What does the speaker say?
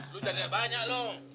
lu jadilah banyak lo